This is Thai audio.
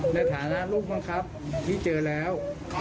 ในฐานะลูกบังคับที่เจอแล้ว